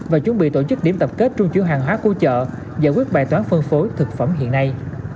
và chuẩn bị tổ chức điểm tập kết trung chuyển hàng hóa của chợ giải quyết bài toán phân phối thực phẩm hiện nay